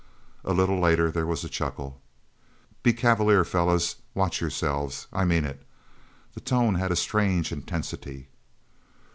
A little later, there was a chuckle. "Be cavalier, fellas. Watch yourselves. I mean it." The tone had a strange intensity.